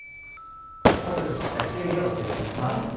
細く切ったきゅうりをのせて行きます。